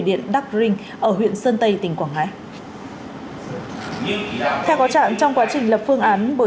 điện đắc rinh ở huyện sơn tây tỉnh quảng ngãi theo có trạng trong quá trình lập phương án bồi